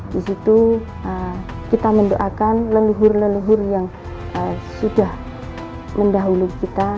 di situ kita mendoakan leluhur leluhur yang sudah mendahulu kita